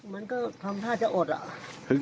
มันก็ทำท่าจะอดอ่ะ